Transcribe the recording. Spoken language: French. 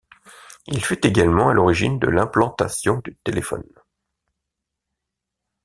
Il fut également à l'origine de l'implantation du téléphone.